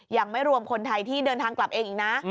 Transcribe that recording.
ยังไม่รวมคนไทยที่เดินทางกลับเองอีกนะ